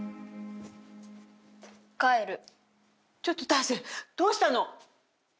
ちょっと大生どうしたの？